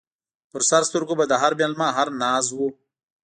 پر سر سترګو به د هر مېلمه هر ناز و